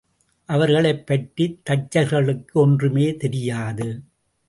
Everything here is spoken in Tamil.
அவர்களைப் பற்றித் தச்சர்களுக்கு ஒன்றுமே தெரியாது.